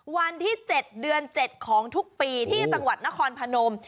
วันที่๗เดือน๗ของทุกปีที่จังหวัดนครพนม